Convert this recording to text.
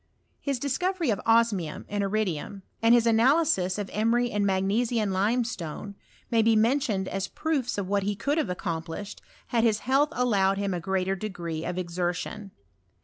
His dis coTOry of osmium and iridium, and his analysis of emery and magnesian limestone, may be mentioned as proofs of what he could have accomplished had his health allowed him a greater degree of eixertion.